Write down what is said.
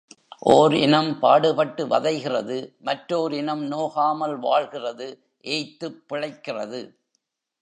ஓர் இனம் பாடுபட்டு வதைகிறது மற்றோர் இனம் நோகாமல் வாழ்கிறது ஏய்த்துப் பிழைக்கிறது.